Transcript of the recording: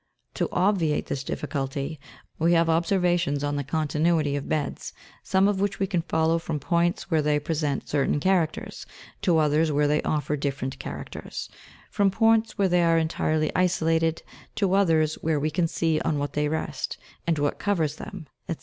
1 1 . To obviate this difficulty, we have observations on the con tinuity of beds, some of which we can follow from points where they present certain characters, to others where they offer different characters; from points where they are entirely isolated, to others where we can see on what they rest, and what covers them, &c.